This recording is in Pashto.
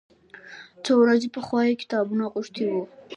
څو ورځې پخوا یې کتابونه غوښتي و.